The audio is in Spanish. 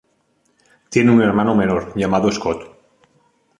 Tiene un hermano menor llamado Scott.